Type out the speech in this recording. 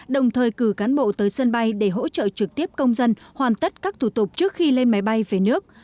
đồng thời cử cán bộ tới sân bay để hỗ trợ trực tiếp công dân hoàn tất các thủ tục trước khi lên máy bay về nước